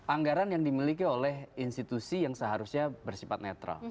anggaran yang dimiliki oleh institusi yang seharusnya bersifat netral